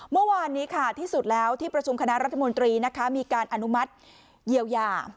เมื่อวานนี้ค่ะที่สุดแล้วที่ประชุมคณะรัฐมนตรีนะคะมีการอนุมัติเยียวยา